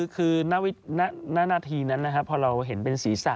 คือณวินาทีนั้นพอเราเห็นเป็นศีรษะ